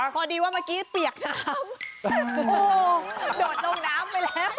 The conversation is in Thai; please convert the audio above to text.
พอดีว่าเมื่อกี้เปียกน้ำโดดลงน้ำไปแล้ว